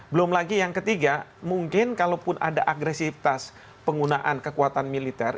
belum lagi yang ketiga mungkin kalaupun ada agresifitas penggunaan kekuatan militer